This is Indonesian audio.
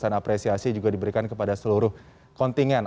apresiasi juga diberikan kepada seluruh kontingen